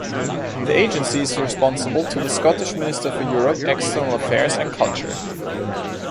The Agency is responsible to the Scottish Minister for Europe, External Affairs and Culture.